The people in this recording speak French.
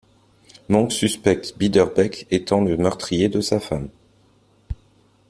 Monk suspecte Biederbeck étant le meurtrier de sa femme.